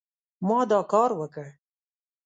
ما دا کار وکړ